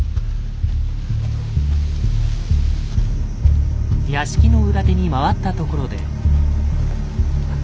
屋敷の裏手に回ったところで。